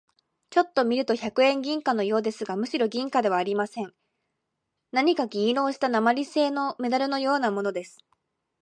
ちょっと見ると百円銀貨のようですが、むろん銀貨ではありません。何か銀色をした鉛製なまりせいのメダルのようなものです。